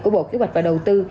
của bộ kế hoạch và đầu tư